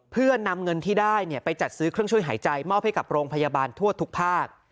เพื่อนำเงินที่ได้ไปจัดซื้อเครื่องช่วยหายใจมอบให้กับโรงพยาบาลทั่วทุกภาค